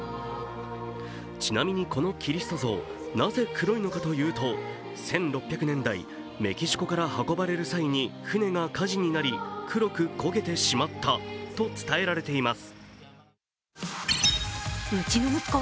ちなみに、このキリスト像、なぜ黒いのかというと、１６００年代メキシコから運ばれる際に船が火事になり黒く焦げてしまったと伝えられています。